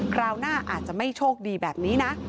คราวหน้าอาจจะไม่โชคดีแบบนี้นะ